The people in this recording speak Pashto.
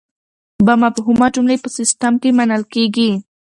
بامفهومه جملې په سیسټم کې منل کیږي.